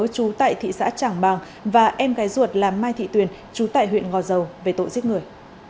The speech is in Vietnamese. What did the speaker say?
chú tại thị xã trảng bàng và em gái ruột là mai thị tuyền chú tại huyện ngò dầu về tội giết người